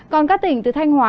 còn các tỉnh từ thanh hóa